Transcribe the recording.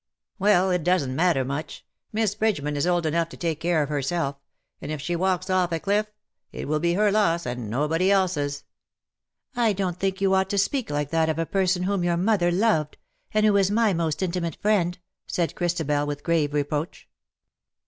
Well, it doesn^t matter much. Miss Bridgeman is old enough to take care of herself — and if she walks off a cliff — it will be her loss and nobody else's.^' " I don^t think you ought to speak like that of a person whom your mother loved — and who is my most intimate friend,^^ said Christabel, with grave reproach.